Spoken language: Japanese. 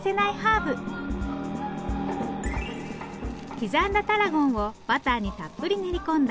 刻んだタラゴンをバターにたっぷり練り込んだ